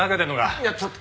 いやちょっと。